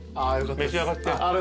召し上がって。